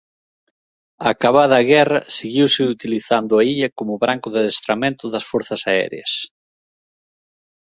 Acabada a guerra seguiuse utilizando a illa como branco de adestramento das forzas aéreas.